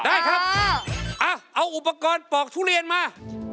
เอาจริงเอาปอกทุเรียนมา